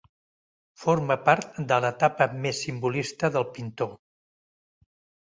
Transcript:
Forma part de l'etapa més simbolista del pintor.